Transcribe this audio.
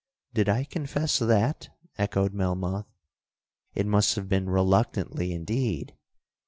'—'Did I confess that?' echoed Melmoth; 'It must have been reluctantly indeed.